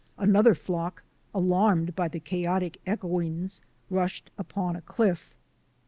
Another flock, alarmed by the chaotic echoings, rushed upon a cliff.